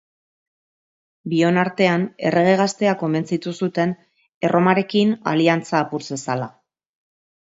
Bion artean errege gaztea konbentzitu zuten Erromarekin aliantza apur zezala.